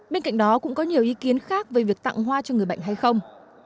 bên cạnh đó cũng có nhiều ý kiến khác về việc tặng hoa cho người bệnh hay không